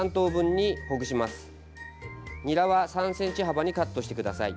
にらは３ｃｍ幅にカットしてください。